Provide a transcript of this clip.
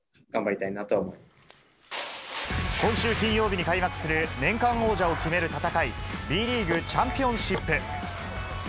今週金曜日に開幕する、年間王者を決める戦い、Ｂリーグチャンピオンシップ。